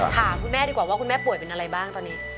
ถามคุณแม่ดีกว่าว่าคุณแม่ป่วยเป็นอะไรบ้างตอนนี้